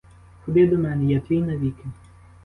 Ходи до мене, я твій навіки!